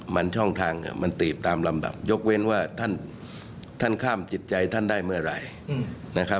มันช่องทางมันตีบตามลำดับยกเว้นว่าท่านข้ามจิตใจท่านได้เมื่อไหร่นะครับ